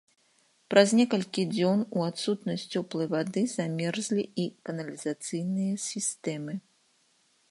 Праз некалькі дзён у адсутнасць цёплай вады замерзлі і каналізацыйныя сістэмы.